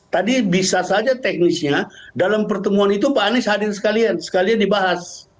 tadi bisa saja teknisnya dalam pertemuan itu pak anies hadir sekalian sekalian dibahas